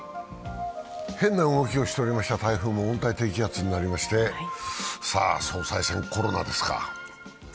変な動きをしておりました台風も温帯低気圧になりまして、さあ、総裁選、コロナですか。